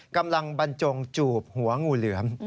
กำลังบรรจงจูบหัวงูเหลือม